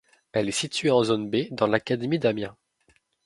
Elle est située en zone B, dans l'académie d'Amiens.